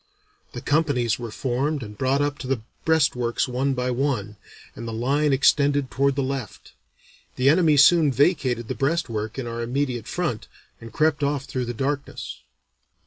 The companies were formed and brought up to the breastworks one by one, and the line extended toward the left. The enemy soon vacated the breastwork in our immediate front, and crept off through the darkness."